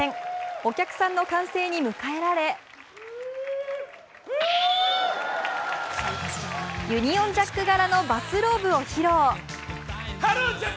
お客さんの歓声に迎えられ、ユニオンジャック柄のバスローブを披露。